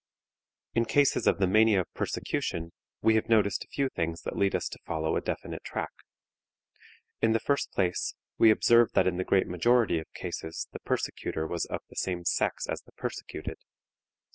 In cases of the mania of persecution we have noticed a few things that lead us to follow a definite track. In the first place, we observed that in the great majority of cases the persecutor was of the same sex as the persecuted.